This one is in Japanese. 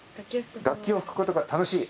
「楽器を吹くことが楽しい」。